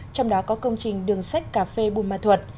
trong đó có công trình đường sách cà phê bù ma thuật